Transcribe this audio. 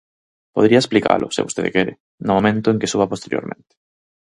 Podería explicalo, se vostede quere, no momento en que suba posteriormente.